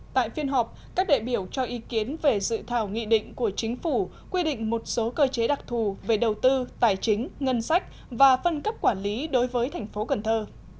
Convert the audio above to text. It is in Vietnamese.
tại phiên họp các đệ biểu cho ý kiến về dự thảo nghị định của chính phủ quy định một số cơ chế đặc thù về đầu tư tài chính ngân sách và phân cấp quản lý đối với thành phố cần thơ